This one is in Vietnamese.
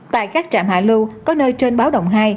tại các trạm hạ lưu có nơi trên báo động hai